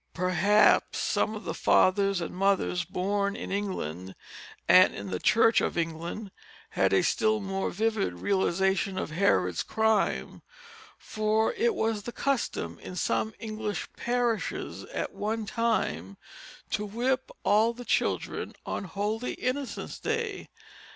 Perhaps some of the fathers and mothers born in England and in the Church of England had a still more vivid realization of Herod's crime, for it was the custom in some English parishes at one time to whip all the children on Holy Innocent's Day.